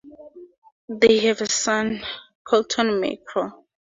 They have one son, Colton Mirko.